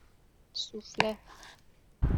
سوفله